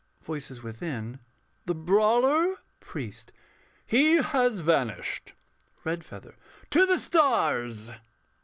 _] VOICES WITHIN. The brawler ... PRIEST. He has vanished REDFEATHER. To the stars.